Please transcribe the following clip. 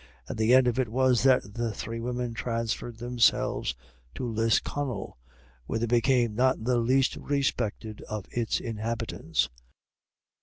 And the end of it was that the three women transferred themselves to Lisconnel, where they became not the least respected of its inhabitants.